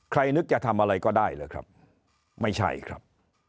นึกจะทำอะไรก็ได้หรือครับไม่ใช่ครับ